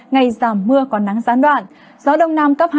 ngày giảm mưa còn nắng gián đoạn gió đông nam cấp hai